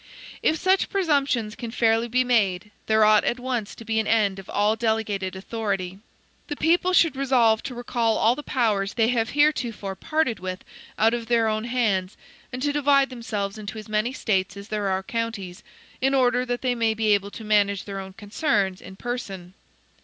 If such presumptions can fairly be made, there ought at once to be an end of all delegated authority. The people should resolve to recall all the powers they have heretofore parted with out of their own hands, and to divide themselves into as many States as there are counties, in order that they may be able to manage their own concerns in person.